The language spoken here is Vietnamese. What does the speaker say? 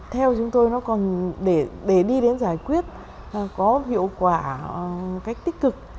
theo chúng tôi để đi đến giải quyết có hiệu quả cách tích cực